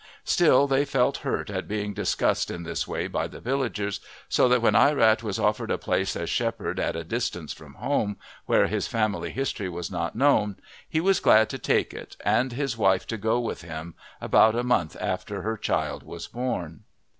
Still they felt hurt at being discussed in this way by the villagers, so that when Ierat was offered a place as shepherd at a distance from home, where his family history was not known, he was glad to take it and his wife to go with him, about a month after her child was born.